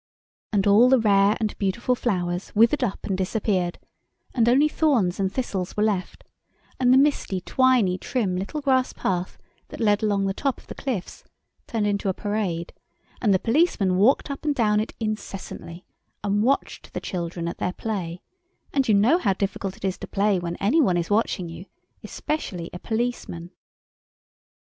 And all the rare and beautiful flowers withered up and disappeared, and only thorns and thistles were left, and the misty, twiny trim little grass path that led along the top of the cliffs turned into a parade, and the policeman walked up and down it incessantly, and watched the children at their play, and you know how difficult it is to play when any one is watching you, especially a policeman.